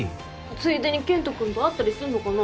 ついでに健人君と会ったりすんのかな？